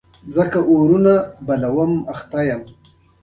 ځينو پيركي خوړل ځينو ايس کريم.